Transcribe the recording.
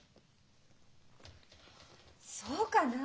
そうかな？